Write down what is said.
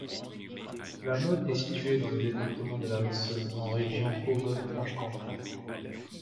La Motte est située dans le département de la Haute-Saône en région Bourgogne-Franche-Comté.